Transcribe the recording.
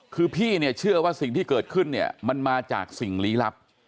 คือพี่เนี่ยเชื่อว่าสิ่งที่เกิดขึ้นเนี่ยมันมาจากสิ่งลี้ลับ